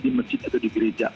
di masjid atau di gereja